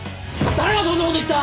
誰がそんなこと言った！